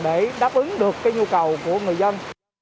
để đáp ứng được nhu cầu của người dân